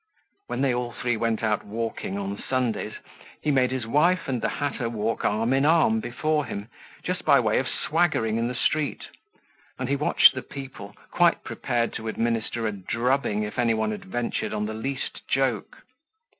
When they all three went out walking on Sundays, he made his wife and the hatter walk arm in arm before him, just by way of swaggering in the street; and he watched the people, quite prepared to administer a drubbing if anyone had ventured on the least joke.